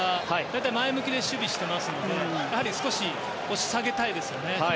大体前向きで守備していますのでやはり少し押し下げたいですよね。